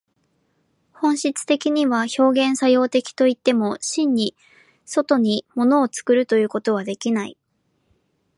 本質的には表現作用的といっても、真に外に物を作るということはできない。